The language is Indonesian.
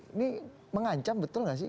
ini mengancam betul nggak sih